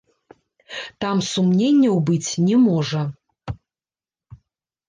Там сумненняў быць не можа.